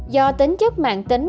do tính chức mạng tính